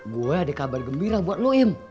gue ada kabar gembira buat lo im